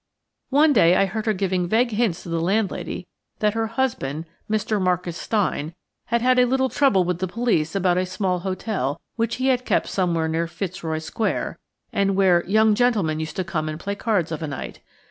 One day I heard her giving vague hints to the landlady that her husband, Mr. Marcus Stein, had had a little trouble with the police about a small hotel which he had kept somewhere near Fitzroy Square, and where "young gentlemen used to come and play cards of a night."